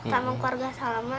sama keluarga salma